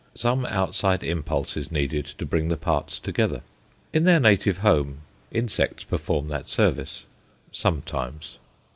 Some outside impulse is needed to bring the parts together. In their native home insects perform that service sometimes.